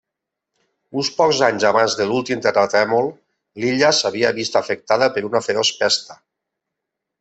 Uns pocs anys abans de l'últim terratrèmol l'illa s'havia vist afectada per una feroç pesta.